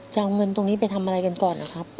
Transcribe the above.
จะเอาเงินตรงนี้ไปทำอะไรกันก่อนนะครับ